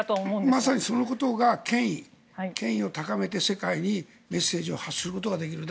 まさにそのことが権威を高めて世界にメッセージを発することができる。